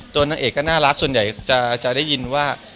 มันต้องน่ารักส่วนใหญ่จะได้ยินว่า